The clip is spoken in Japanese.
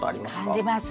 感じます。